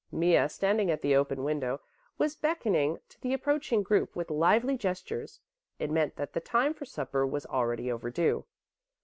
Mea, standing at the open window, was beckoning to the approaching group with lively gestures; it meant that the time for supper was already overdue.